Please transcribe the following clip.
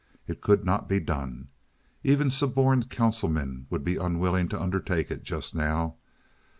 It could not be done. Even suborned councilmen would be unwilling to undertake it just now.